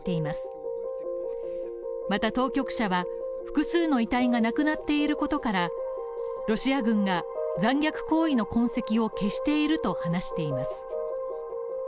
また当局者は複数の遺体がなくなっていることからロシア軍が残虐行為の痕跡を消していると話しています。